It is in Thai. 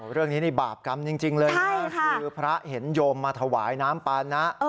เรื่องนี้นี่บาปกรรมจริงเลยนะคือพระเห็นโยมมาถวายน้ำปานะ